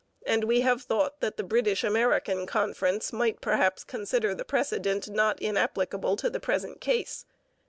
And we have thought that the British American Conference might perhaps consider the precedent not inapplicable to the present case.